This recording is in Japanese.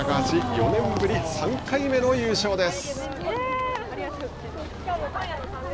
４年ぶり３回目の優勝です。